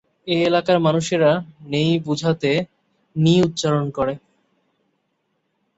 এ এলাকার মানুষেরা নেই বুঝাতে ‘নি’ উচ্চারণ করে।